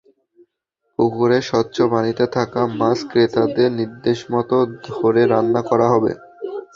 পুকুরের স্বচ্ছ পানিতে থাকা মাছ ক্রেতাদের নির্দেশমতো ধরে রান্না করা হবে।